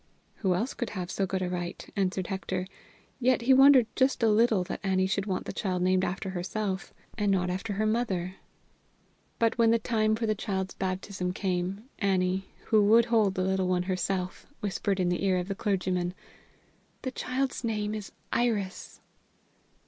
"And who else can have so good a right?" answered Hector. Yet he wondered just a little that Annie should want the child named after herself, and not after her mother. But when the time for the child's baptism came, Annie, who would hold the little one herself, whispered in the ear of the clergyman: "The child's name is Iris."